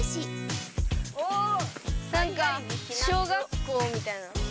なんか小学校みたいな。